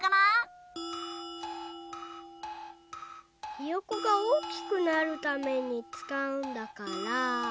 ひよこがおおきくなるためにつかうんだから。